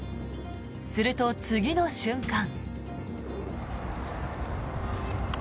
すると、次の瞬間。